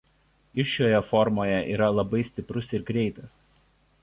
Jis šioje formoje yra labai stiprus ir greitas.